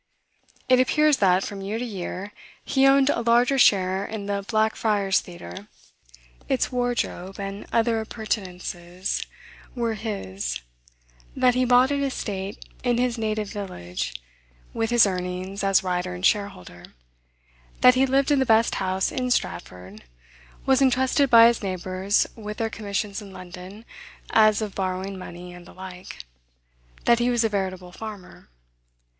It appears that, from year to year, he owned a larger share in the Blackfriars' Theater: its wardrobe and other appurtenances were his: that he bought an estate in his native village, with his earnings, as writer and shareholder; that he lived in the best house in Stratford; was intrusted by his neighbors with their commissions in London, as of borrowing money, and the like; that he was a veritable farmer.